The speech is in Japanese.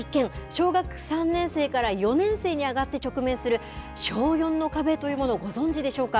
小学３年生から４年生に上がって直面する小４の壁というものをご存じでしょうか。